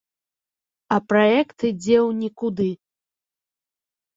А праект ідзе ў нікуды.